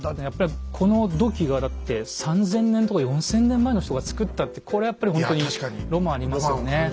やっぱりこの土器がだって３，０００年とか４，０００年前の人がつくったってこれはやっぱりほんとにロマンありますよね。